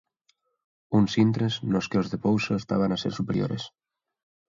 Uns intres nos que os de Pouso estaban a ser superiores.